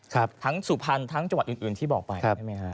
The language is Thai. ครับทั้งสุพรรณหรืออื่นที่บอกไปได้ไหมฮะ